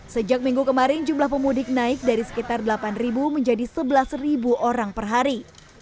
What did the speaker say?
sejak minggu kemarin jumlah pemudik naik dari sekitar delapan menjadi sebelas orang per hari